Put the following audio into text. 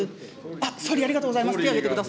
あっ、総理、ありがとうございます。